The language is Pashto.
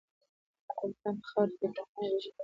د افغانستان په خاوره کي پوهان زېږيدلي دي.